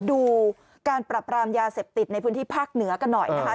ดูการปรับรามยาเสพติดในพื้นที่ภาคเหนือกันหน่อยนะคะ